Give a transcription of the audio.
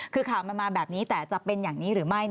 คือข่าวมันมาแบบนี้แต่จะเป็นอย่างนี้หรือไม่